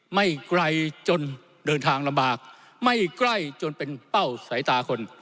ไม่ไกลจนเดินทางลำบากไม่ใกล้จนเป็นเป้าสายตาคน